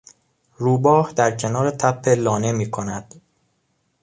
روباه در کنار تپه لانه میکند.